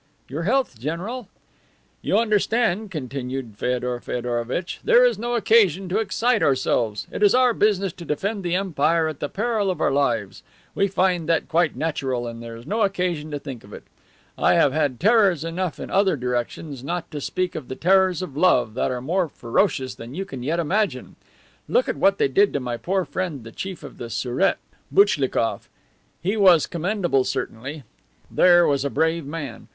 "Your health, general!" "You understand," continued Feodor Feodorovitch, "there is no occasion to excite ourselves. It is our business to defend the empire at the peril of our lives. We find that quite natural, and there is no occasion to think of it. I have had terrors enough in other directions, not to speak of the terrors of love, that are more ferocious than you can yet imagine. Look at what they did to my poor friend the Chief of the Surete, Boichlikoff. He was commendable certainly. There was a brave man.